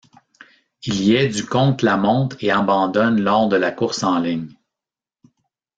Il y est du contre-la-montre et abandonne lors de la course en ligne.